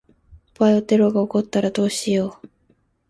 バイオテロが起こったらどうしよう。